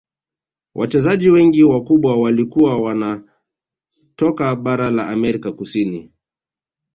Wachezaji wengi wakubwa walikuwa wanatoka bara la amerika kusini